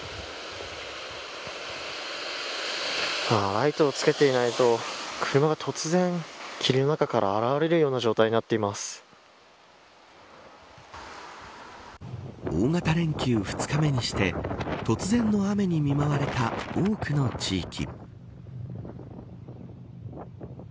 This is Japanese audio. ライトをつけていないと車が突然、霧の中から現れるような状態に大型連休２日目にして突然の雨に見舞われた多くの地域。